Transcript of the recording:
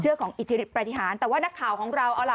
ของอิทธิฤทธิปฏิหารแต่ว่านักข่าวของเราเอาล่ะ